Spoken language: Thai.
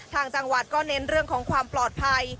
ทางจังหวัดก็เน้นเรื่องของความปลอดภัย